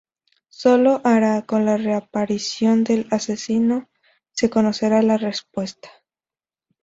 Sólo ahora, con la reaparición del asesino, se conocerá la respuesta.